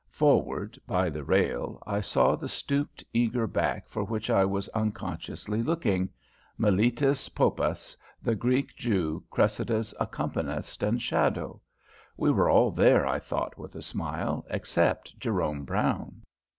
Forward, by the rail, I saw the stooped, eager back for which I was unconsciously looking: Miletus Poppas, the Greek Jew, Cressida's accompanist and shadow. We were all there, I thought with a smile, except Jerome Brown.